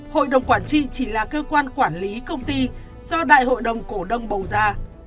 hội đồng quản trị chỉ là cơ quan quản lý công ty do đại hội đồng cổ đông bầu ra